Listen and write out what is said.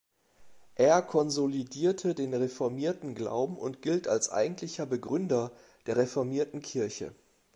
Er konsolidierte den reformierten Glauben und gilt als eigentlicher Begründer der reformierten Kirche.